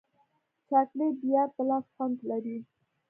چاکلېټ د یار په لاس خوند لري.